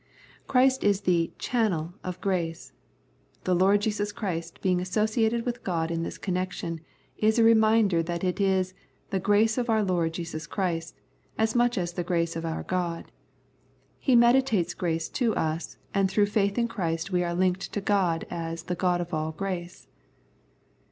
Christ is the Channel of grace. The Lord Jesus Christ being associated with God in this connection is a reminder that it is " the grace of our Lord Jesus Christ " as much as the grace of our God. He mediates grace to us, and through faith in Christ we are linked to God as the " God of all grace."